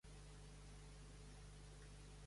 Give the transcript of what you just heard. El seu hàbitat natural s'inclou el bosc de boira.